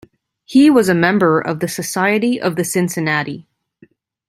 He was a member of the Society of the Cincinnati.